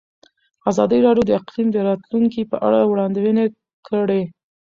ازادي راډیو د اقلیم د راتلونکې په اړه وړاندوینې کړې.